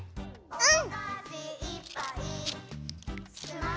うん。